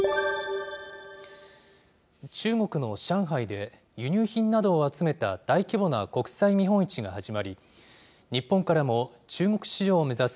中国の上海で、輸入品などを集めた大規模な国際見本市が始まり、日本からも中国市場を目指す